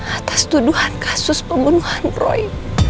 atas tuduhan kasus pembunuhan proyek